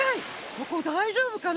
ここだいじょうぶかな？